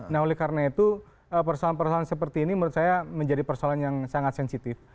nah oleh karena itu persoalan persoalan seperti ini menurut saya menjadi persoalan yang sangat sensitif